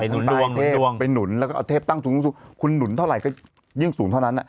หนุนดวงหนุนดวงไปหนุนแล้วก็เอาเทพตั้งสูงคุณหนุนเท่าไหร่ก็ยิ่งสูงเท่านั้น